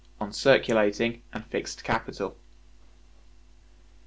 On Circulating And Fixed Capital.